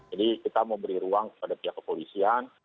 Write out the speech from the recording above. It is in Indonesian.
jadi kita memberi ruang kepada pihak kepolisian